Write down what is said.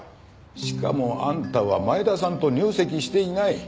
しかもあんたは前田さんと入籍していない。